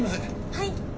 はい。